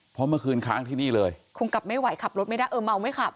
เพราะเมื่อคืนค้างที่นี่เลยคงกลับไม่ไหวขับรถไม่ได้เออเมาไม่ขับ